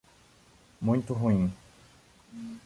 Muito ruim